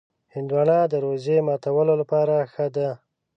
هندوانه د روژې ماتولو لپاره ښه ده.